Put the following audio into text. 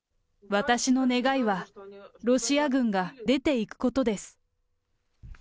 私の願いは、ロシア軍が出ていくことです。